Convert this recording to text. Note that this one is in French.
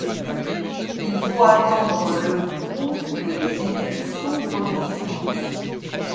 Il faut attendre le pour que les études s'ouvrent aux sciences.